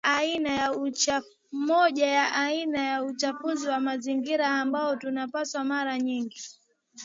moja ya aina ya uchafuzi wa mazingira ambayo tunapata mara nying